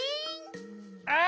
あ！